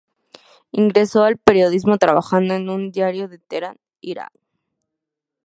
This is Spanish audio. Ingresó al periodismo trabajando en un diario de Teherán, Irán.